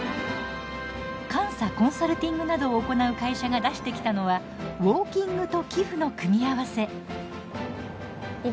監査・コンサルティングなどを行う会社が出してきたのはウォーキングと寄付の組み合わせ。